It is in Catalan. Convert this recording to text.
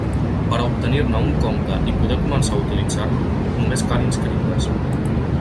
Per a obtenir-ne un compte i poder començar a utilitzar-lo només cal inscriure’s.